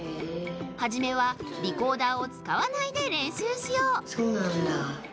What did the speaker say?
はじめはリコーダーをつかわないで練習しようそうなんだ。